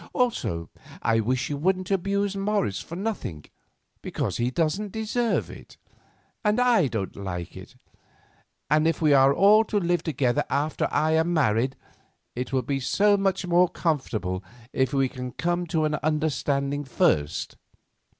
Also, I wish you wouldn't abuse Morris for nothing, because he doesn't deserve it, and I don't like it; and if we are all to live together after I am married, it will be so much more comfortable if we can come to an understanding first."